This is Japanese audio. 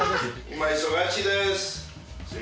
今、忙しいです。